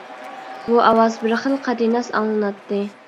بۇ ئاۋاز بىر خىل قەدىناس ئاڭلىناتتى.